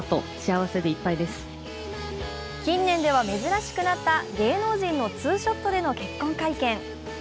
近年では珍しくなった芸能人のツーショットでの結婚会見。